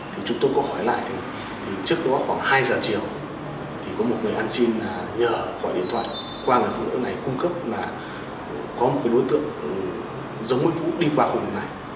thì chúng tôi có hỏi lại thì trước đó khoảng hai giờ chiều thì có một người ăn xin là nhờ gọi điện thoại qua người phụ nữ này cung cấp là có một cái đối tượng giống với phú đi qua khu vực này